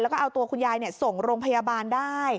แล้วก็เอาตัวคุณยายส่งโรงพยาบาลได้